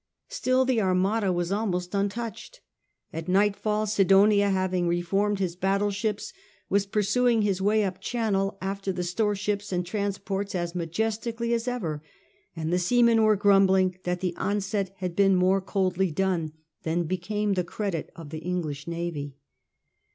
Still the Armada was almost untouched. At nightfall Sidonia, having re formed his battle ships, was pursuing his way up channel after the storeships and transports as majestically as ever, and the seamen were grumbling that the onset had been more coldly done than became the credit of the English navy.